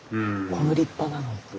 この立派なの。